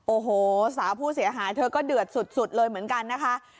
โอ้โหสาวผู้เสียหายเธอก็เดือดสุดเลยเหมือนกันนะคะ